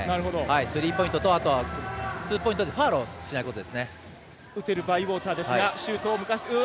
スリーポイントとあと、ツーポイントでファウルをしないことですね。